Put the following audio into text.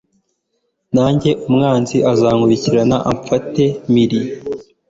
nanjye umwanzi azankurikirane, amfate mpiri